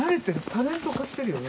タレント化してるよね。